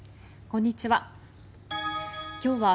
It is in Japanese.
こんにちは。